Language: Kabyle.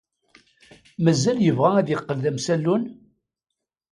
Mazal yebɣa ad yeqqel d amsallun?